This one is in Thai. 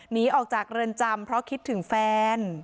หนีออกจากเรือนจำเพราะคิดถึงแฟน